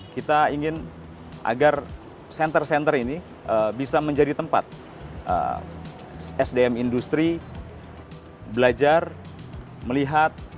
kita ingin agar center center ini bisa menjadi tempat sdm industri belajar melihat